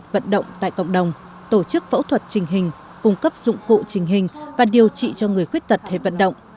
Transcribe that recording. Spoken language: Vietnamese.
vận động tại cộng đồng tổ chức phẫu thuật trình hình cung cấp dụng cụ trình hình và điều trị cho người khuyết tật hệ vận động